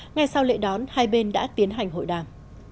ngay sau lễ đón hai bên đã tiến hành hội đàm